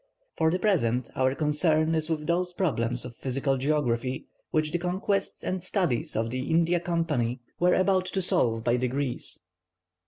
For the present our concern is with those problems of physical geography, which the conquests and studies of the India Company were about to solve by degrees.